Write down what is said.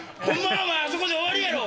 あそこで終わりやろ！